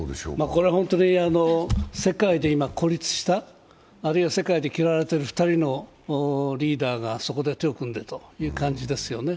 これは本当に世界で今、孤立した、あるいは世界で嫌われている２人のリーダーがそこで手を組んでという感じですよね。